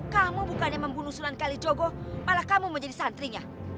kamu bukannya membunuh sunan kalijogo malah kamu menjadi santrinya